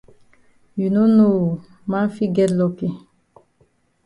You no know oo man fit get lucky.